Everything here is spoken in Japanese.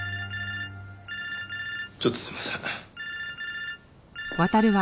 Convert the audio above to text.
ちょっとすいません。